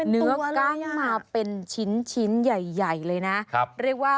เนื้อกล้างมาเป็นชิ้นใหญ่เลยนะ